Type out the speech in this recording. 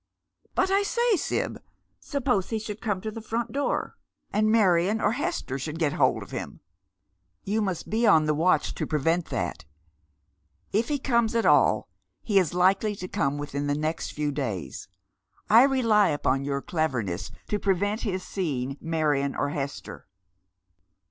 " But I say, Sib, suppose he should come to the front door, and Marion or Hester should get hold of him ?"" You must be on the watch to prevent that. If he comes at all, he is likely to come within the next few days. I rely upon your cleverness to prevent his seeing Marion or Hester."